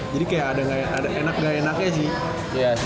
jadi kayak ada enak ga enaknya sih